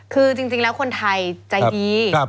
คือจริงแล้วคนไทยใจดี